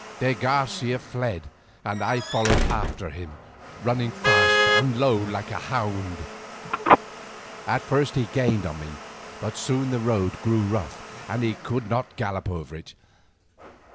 De Garcia fled, and I followed after him, running fast and low like a hound. At first he gained on me, but soon the road grew rough, and he could not gallop over it.